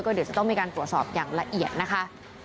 เดี๋ยวจะต้องมีการตรวจสอบอย่างละเอียดนะคะ